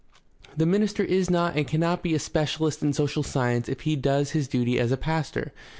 The minister is not and cannot be a specialist in social science if he does his duty as a pastor.